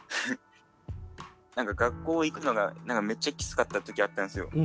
なんか学校行くのがなんかめっちゃきつかった時あったんすよ。